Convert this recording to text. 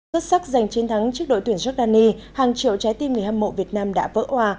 rất sắc giành chiến thắng trước đội tuyển giordani hàng triệu trái tim người hâm mộ việt nam đã vỡ hoà